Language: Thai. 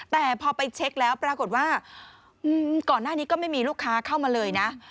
แต่พอไปเช็คแล้วปรากฏว่าก่อนหน้านี้ก็ไม่มีลูกค้าเข้ามาเลยนะ